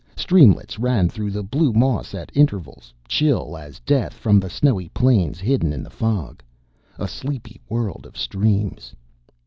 Streamlets ran through the blue moss at intervals, chill as death from the snowy plains hidden in the fog. "A sleepy world of streams...."